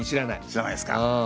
知らないっすか。